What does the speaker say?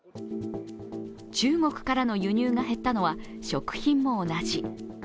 中国からの輸入が減ったのは食品も同じ。